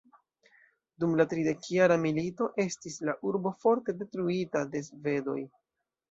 Dum la tridekjara milito estis la urbo forte detruita de svedoj.